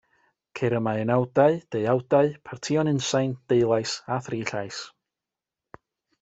Ceir yma unawdau, deuawdau, partïon unsain, deulais a thri llais.